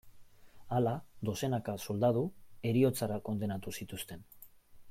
Hala, dozenaka soldadu heriotzara kondenatu zituzten.